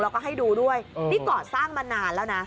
แล้วก็ให้ดูด้วยนี่ก่อสร้างมานานแล้วนะ